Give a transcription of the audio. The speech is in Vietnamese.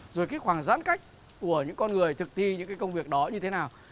rồi cái khoảng giãn cách của những con người thực thi những cái công việc đó như thế nào